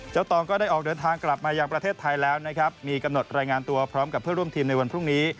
ตองก็ได้ออกเดินทางกลับมายังประเทศไทยแล้วนะครับมีกำหนดรายงานตัวพร้อมกับเพื่อนร่วมทีมในวันพรุ่งนี้